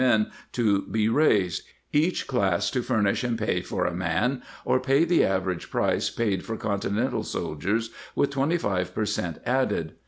Maintaining the Forces be raised, each class to furnish and pay for a man, or pay the average price paid for Continental sol diers, with twenty five per cent, added.